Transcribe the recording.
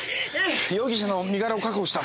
容疑者の身柄を確保した。